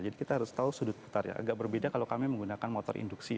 jadi kita harus tahu sudut putarnya agak berbeda kalau kami menggunakan motor induksi